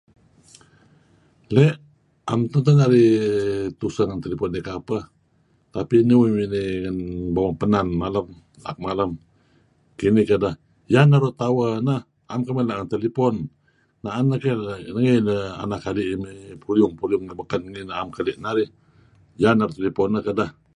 Le' am tun teh narih tuseh ngan telepon dih kapeh tapi nih uih miney ngan bawang Penan malem, laak malem, kinih kedeh iyan naru' tower ineh na'em kamih naru' telepon. Na'en ngi neh anak adi' peruyung-peruyung ngan lun beken na'em keli'-keli' narih , iyan naru' telepon neh kedeh.